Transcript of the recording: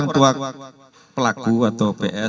tuak pelaku atau ps